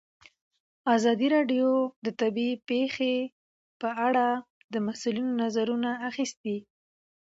ازادي راډیو د طبیعي پېښې په اړه د مسؤلینو نظرونه اخیستي.